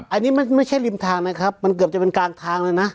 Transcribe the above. อันนี้ไม่ใช่ริมทางนะครับมันเกือบจะเป็นกลางทางเลยนะ